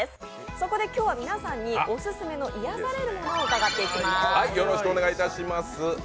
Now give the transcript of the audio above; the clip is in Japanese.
そこで今日は皆さんにオススメの癒やされるものを伺っていきます。